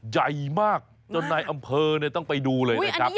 ใหญ่มากจนในอำเภอเนี่ยต้องไปดูเลยนะครับ